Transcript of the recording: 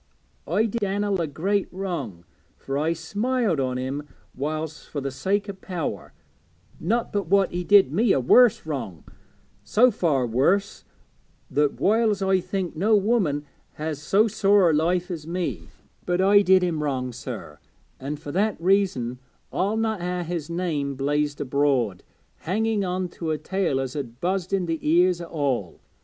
I did Dan'el a great wrong, for I smiled on him whiles for the sake o' power; not but what he did me a worse wrong, so far worse that whiles I think no woman has so sore a life as me; but I did do him wrong, sir, and fur that reason I'll not ha' his name blazed abroad, hanging on to a tale as 'ud buzz i' the ears o' all.